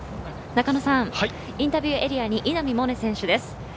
インタビューエリアに稲見萌寧選手です。